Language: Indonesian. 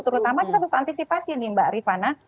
terutama kita harus antisipasi nih mbak rifana